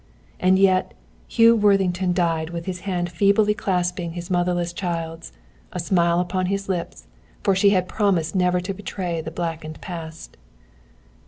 And yet Hugh Worthington died with his hand feebly clasping his motherless child's, a smile upon his lips, for she had promised never to betray the blackened past.